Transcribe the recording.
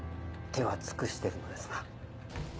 手は尽くしてるのですが。